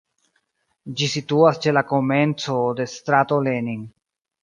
Ĝi situas ĉe la komenco de strato Lenin.